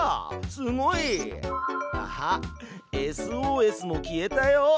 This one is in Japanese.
すごい！あっＳＯＳも消えたよ！